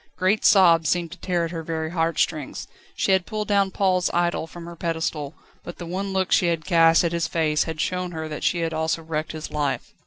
Great sobs seemed to tear at her very heart strings. She had pulled down Paul's idol from her pedestal, but the one look she had cast at his face had shown her that she had also wrecked his life.